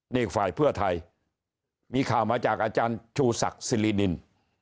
นี่ฝ่ายเพื่อไทยมีข่าวมาจากอาจารย์ชูศักดิ์สิรินิน